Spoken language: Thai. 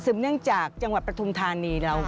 ซึ่งเนื่องจากจังหวัดปทุมธารณีเรา